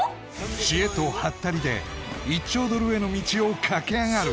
知恵とハッタリで１兆ドルへの道を駆け上がる！